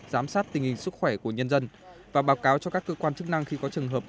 giám sát tình hình sức khỏe của nhân dân và báo cáo cho các cơ quan chức năng khi có trường hợp